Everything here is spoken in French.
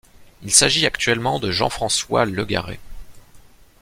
Il s'agit actuellement de Jean-François Legaret.